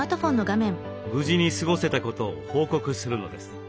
無事に過ごせたことを報告するのです。